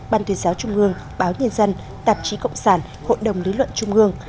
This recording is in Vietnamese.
ban tuyên giáo trung ương báo nhân dân tạp chí cộng sản hội đồng lý luận trung ương